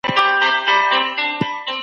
د ملکیت حق په هر ځای کي منل سوی دی.